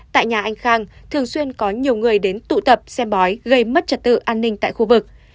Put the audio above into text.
tại nhà anh khang thường xuyên có nhiều người đến tụ tập xem bói gây mất trật tự an ninh tại khu vực